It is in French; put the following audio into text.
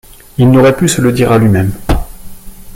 Il n’aurait pu se le dire à lui-même.